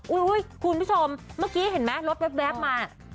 คุณผู้ชมเมื่อกี้เห็นไหมรถแว๊บมา